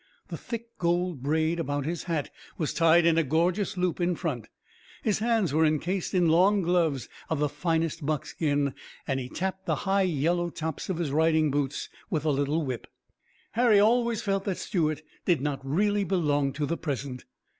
The thick gold braid about his hat was tied in a gorgeous loop in front. His hands were encased in long gloves of the finest buckskin, and he tapped the high yellow tops of his riding boots with a little whip. Harry always felt that Stuart did not really belong to the present.